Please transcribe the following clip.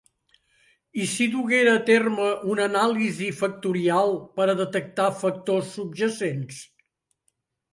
I si duguera a terme una anàlisi factorial per a detectar factors subjacents?